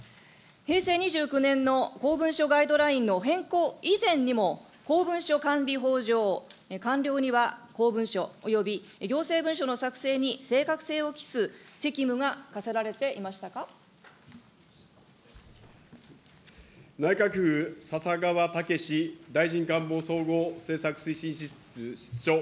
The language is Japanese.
平成２９年の公文書ガイドラインの変更以前にも、公文書管理法上、官僚には公文書および行政文書の作成に正確性をきす責務が課せら内閣府、笹川武大臣官房総合政策推進室室長。